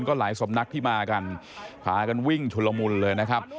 ก็หลายสำนักที่มากันพากันวิ่งชุลมุนเลยนะครับ